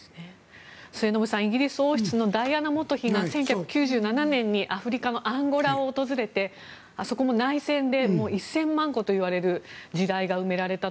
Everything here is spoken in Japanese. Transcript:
末延さんイギリス王室のダイアナ元妃が１９９７年にアフリカのアンゴラを訪れてあそこも内戦で１０００万個といわれる地雷が埋められたと。